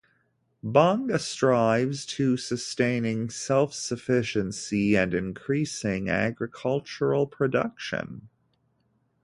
Banga strives to sustaining self-sufficiency and increasing agricultural production.